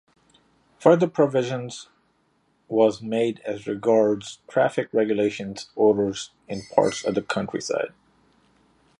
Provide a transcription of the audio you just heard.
Further provision was made as regards traffic regulation orders in parts of the countryside.